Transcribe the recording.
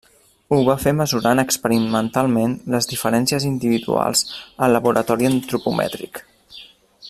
Ho va fer mesurant experimentalment les diferències individuals al Laboratori Antropomètric.